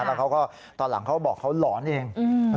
แล้วเขาก็ตอนหลังเขาบอกเขาหลอนเอง